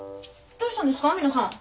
どうしたんですか皆さん？